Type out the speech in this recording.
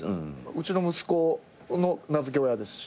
うちの息子の名付け親ですし。